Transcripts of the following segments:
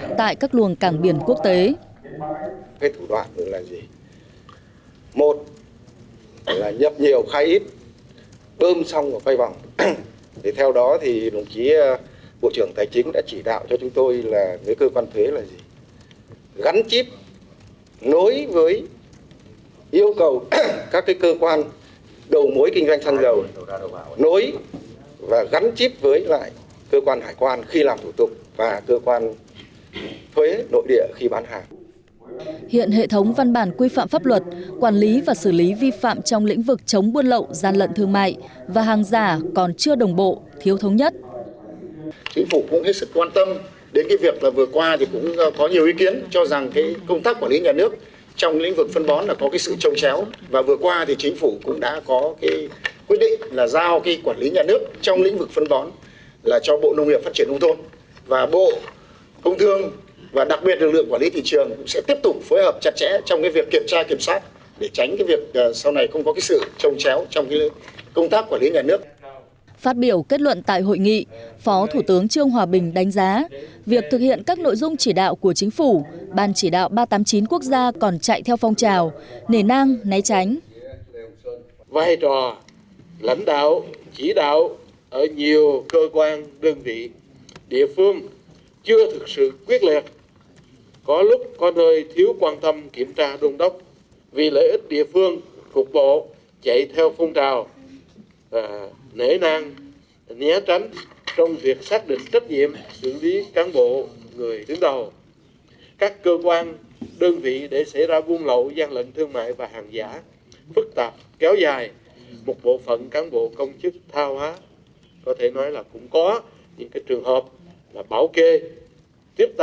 các doanh nghiệp hoa thương mại trong đó có hiệp định đối tác kinh tế toàn diện khu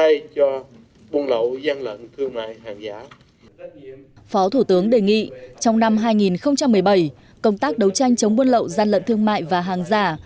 vực và nhiều hiệp định khác